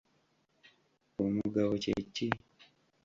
Omugabo kye ki?